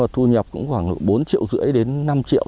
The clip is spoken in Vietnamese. thu nhập cũng khoảng độ bốn triệu rưỡi đến năm triệu